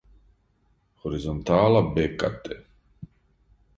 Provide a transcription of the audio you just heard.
хоризонтала бе ка те